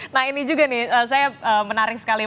nah ini juga nih saya menarik sekali